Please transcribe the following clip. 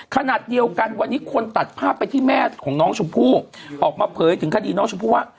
ขณะเดียวกันวันนี้คนตัดภาพไปที่แม่ของน้องชมพู่ออกมาเผยถึงคดีน้องชมพู่ว่า